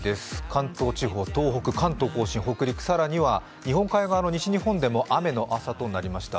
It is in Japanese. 関東地方、東北、関東甲信、北陸、更には日本海側の西日本でも雨の朝となりました。